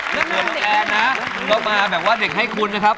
พี่แอนก็มาแบบว่าเด็กให้คุณนะครับ